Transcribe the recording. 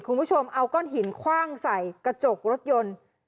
คุณผู้ชมเอาก้อนหินคว่างใส่กระจกรถยนต์